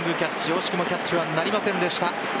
惜しくもキャッチはなりませんでした。